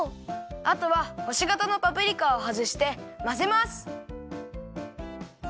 あとはほしがたのパプリカをはずしてまぜます。